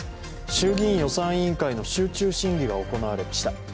衆議院・予算委員会の集中審議が行われました。